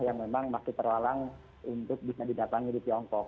yang memang masih terlalang untuk bisa didatangi di tiongkok